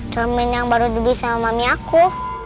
cermin yang baru dibisa mami aku